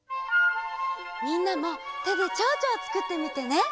みんなもてでちょうちょをつくってみてね。